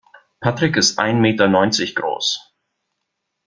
Patrick ist ein Meter neunzig groß.